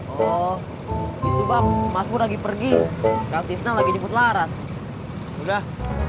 oh gitu bang mas bu lagi pergi nanti lagi nyebut laras udah